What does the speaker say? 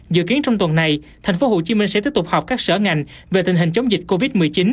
dự kiến trong tuần này tp hcm sẽ tiếp tục họp các sở ngành về tình hình chống dịch covid một mươi chín